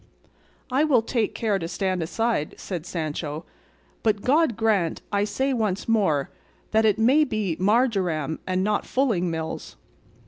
"I will take care to stand aside," said Sancho; "but God grant, I say once more, that it may be marjoram and not fulling mills."